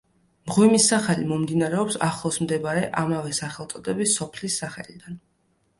მღვიმის სახელი მომდინარეობს ახლოს მდებარე ამავე სახელწოდების სოფლის სახელიდან.